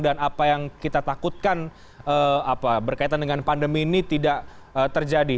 dan apa yang kita takutkan berkaitan dengan pandemi ini tidak terjadi